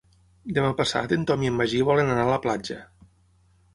Demà passat en Tom i en Magí volen anar a la platja.